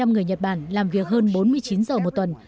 hai mươi hai người nhật bản làm việc hơn bốn mươi chín giờ một tuần